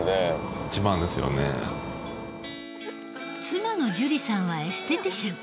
妻の珠里さんはエステティシャン。